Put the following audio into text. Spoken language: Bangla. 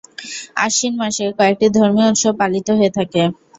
আশ্বিন মাসে কয়েকটি ধর্মীয় উৎসব পালিত হয়ে থাকে।